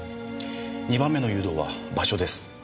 ２番目の誘導は場所です。